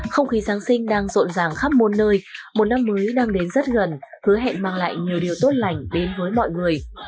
không khí giáng sinh đang rộn ràng khắp môn nơi một năm mới đang đến rất gần hứa hẹn mang lại nhiều điều tốt lành đến với mọi người